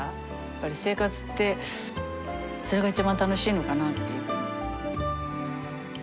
やっぱり生活ってそれが一番楽しいのかなっていう。